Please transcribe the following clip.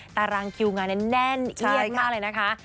ตารางคิวงานนั้นแน่นเอียดมากเลยนะคะ